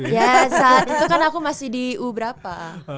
ya saat itu kan aku masih di u berapa